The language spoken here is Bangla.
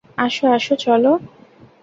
আসো, আসো, চলো।